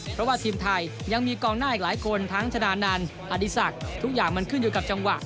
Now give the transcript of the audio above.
เพราะว่าทีมไทยยังมีกองหน้าอีกหลายคนทั้งชนะนันอดีศักดิ์ทุกอย่างมันขึ้นอยู่กับจังหวะ